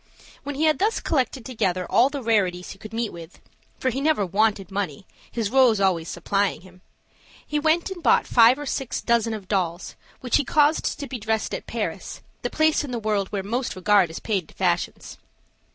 When he had thus collected together all the rarities he could meet with for he never wanted money, his rose always supplying him he went and bought five or six dozen of dolls, which he caused to be dressed at Paris, the place in the world where most regard is paid to fashions.